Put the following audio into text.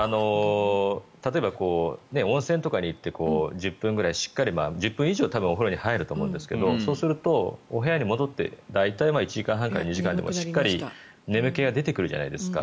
例えば、温泉とかに行って１０分ぐらい１０分以上しっかりお風呂に入ると思うんですけどそうすると、お部屋に戻って大体１時間半から２時間後にしっかり眠気が出てくるじゃないですか。